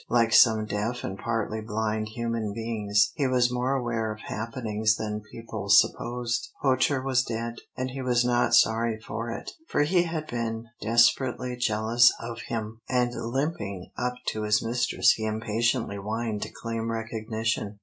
Like some deaf and partly blind human beings, he was more aware of happenings than people supposed. Poacher was dead, and he was not sorry for it, for he had been desperately jealous of him, and limping up to his mistress he impatiently whined to claim recognition.